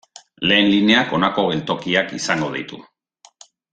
Lehen lineak honako geltokiak izango ditu.